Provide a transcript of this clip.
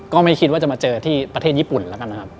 ก็ไม่คิดว่าจะมาเจอที่ประเทศญี่ปุ่นแล้วกันนะครับ